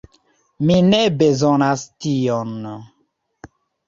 Mi ne bezonas tion.